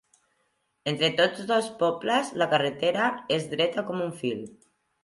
Entre tots dos pobles la carretera és dreta com un fil.